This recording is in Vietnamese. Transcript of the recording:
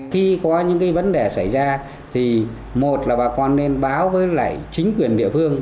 khi có những vấn đề xảy ra thì một là bà con nên báo với lại chính quyền địa phương